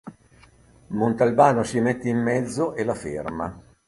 Montalbano si mette in mezzo e la ferma.